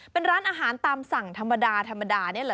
เป็นร้านอาหารตามสั่งธรรมดาธรรมดานี่แหละ